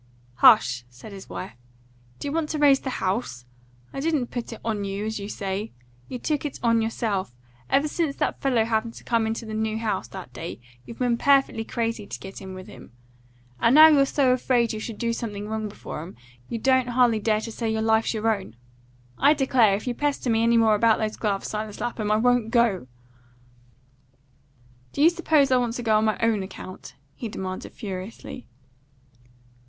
"Hush!" said his wife. "Do you want to raise the house? I didn't put it on you, as you say. You took it on yourself. Ever since that fellow happened to come into the new house that day, you've been perfectly crazy to get in with them. And now you're so afraid you shall do something wrong before 'em, you don't hardly dare to say your life's your own. I declare, if you pester me any more about those gloves, Silas Lapham, I won't go." "Do you suppose I want to go on my own account?" he demanded furiously.